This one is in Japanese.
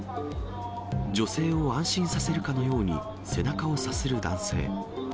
女性を安心させるかのように、背中をさする男性。